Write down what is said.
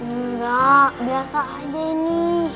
enggak biasa aja ini